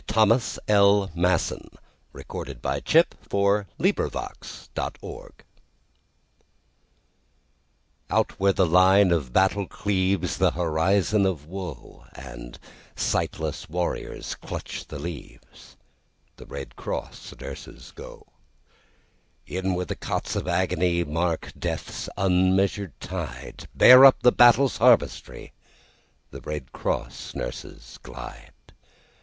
Thomas L. Masson The Red Cross Nurses OUT where the line of battle cleavesThe horizon of woeAnd sightless warriors clutch the leavesThe Red Cross nurses go.In where the cots of agonyMark death's unmeasured tide—Bear up the battle's harvestry—The Red Cross nurses glide.